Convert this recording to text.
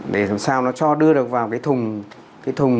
để làm sao nó cho đưa được vào cái thùng